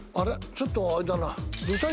ちょっとあれだな。